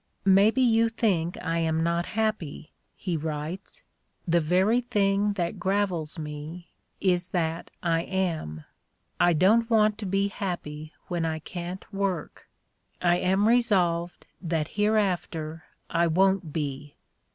"Maybe you think I am not happy?" he writes. "The very thing that gravels me is that I am. I don't want to be happy when I can't work. I am resolved that hereafter I won't be."